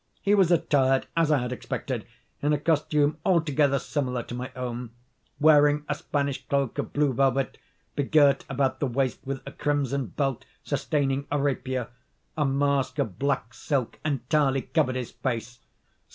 He was attired, as I had expected, in a costume altogether similar to my own; wearing a Spanish cloak of blue velvet, begirt about the waist with a crimson belt sustaining a rapier. A mask of black silk entirely covered his face.